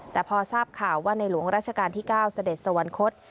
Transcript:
แต่พอทราบข่าวว่าในหลวงราชการที่๙เสด็จสวรรคต